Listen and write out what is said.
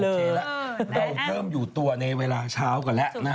เราเริ่มอยู่ตัวในเวลาเช้าก่อนแหละนะฮะ